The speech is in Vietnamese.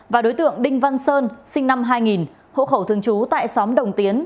và đối tượng đinh văn sơn sinh năm hai nghìn hộ khẩu thường trú tại xóm đồng tiến